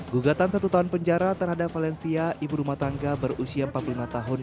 gugatan satu tahun penjara terhadap valencia ibu rumah tangga berusia empat puluh lima tahun